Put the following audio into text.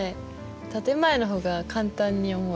建て前の方が簡単に思えた。